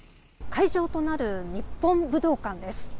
会場となる日本武道館です。